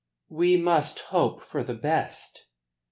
"We must hope for the best."